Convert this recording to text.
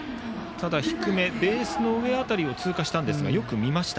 低め、ベースの上辺りを通過しましたがよく見ました。